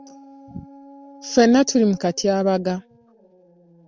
Ffenna tuli mu katyabaga.